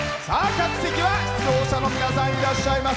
客席は出場者の皆さんいらっしゃいます。